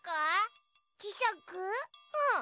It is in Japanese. うん。